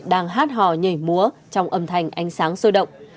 đang hát hò nhảy múa trong âm thanh ánh sáng sôi động